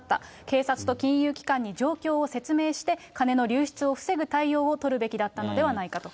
警察と金融機関に状況を説明して、金の流出を防ぐ対応を取るべきだったのではないかと。